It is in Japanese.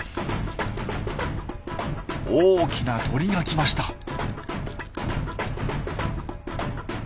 大きな鳥が来ました。